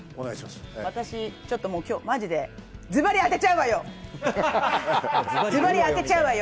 私、今日ちょっとマジでズバリ当てちゃうわよ。